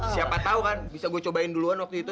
siapa tahu kan bisa gue cobain duluan waktu itu